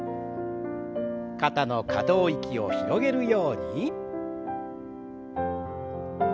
肩の可動域を広げるように。